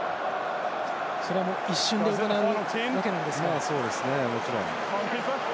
それも一瞬で行うわけなんですね。